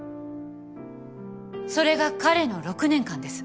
それが彼の６年間です。